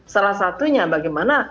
salah satunya bagaimana